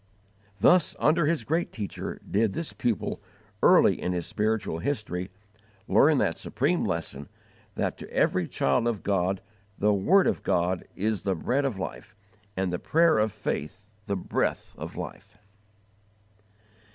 Thus, under his great Teacher, did this pupil, early in his spiritual history, learn that supreme lesson that to every child of God the word of God is the bread of life, and the prayer of faith the breath of life.